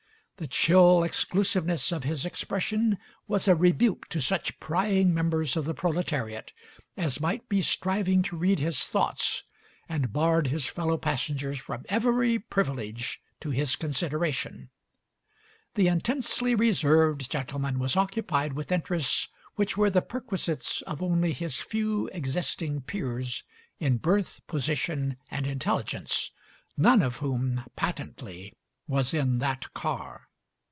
The chill exclusiveness of his expression was a rebuke to such prying members of the proletariat as might be striving to read his thoughts, and barred his fellow passengers from every privilege to his Digitized by Google MARY SMITH 133 consideration. The intensely reserved gentleman was occupied with interests which were the per quisites of only his few existing peers in birth, position, and intelligence, none of whom, patently, was in that car.